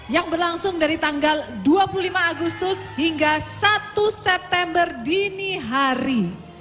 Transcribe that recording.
yang berlangsung dari tanggal dua puluh lima agustus hingga satu september dini hari